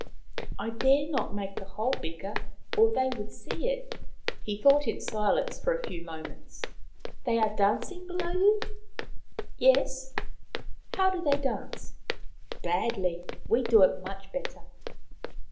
I dare not make the hole bigger, or they would see it." He thought in silence for a few moments. " They are dancing below you ?" he asked. 194 Maoriland Fairy Tales " Yes." "How do they dance ?" Badly. We do it much better.